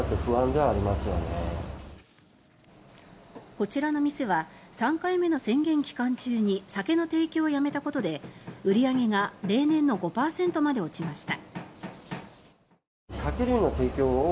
こちらの店は３回目の宣言期間中に酒の提供をやめたことで売り上げが例年の５％まで落ちました。